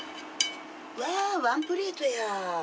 わワンプレートや！